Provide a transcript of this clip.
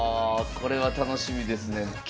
これは楽しみですね。